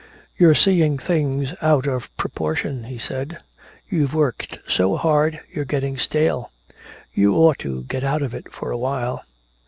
"You're seeing things out of proportion," he said. "You've worked so hard you're getting stale. You ought to get out of it for a while."